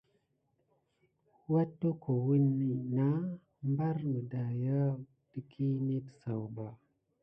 Wat-tokowəni na ɓare miɖa wuya kiɗi net sayuɓa.